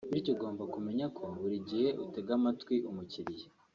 Bityo ugomba kumenya ko buri gihe utega amatwi umukiriya